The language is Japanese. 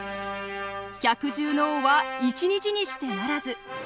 百獣の王は一日にしてならず。